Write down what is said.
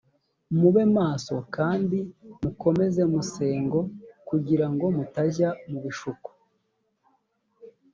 mube maso kandi mukomeze musengo kugira ngo mutajya mu bishuko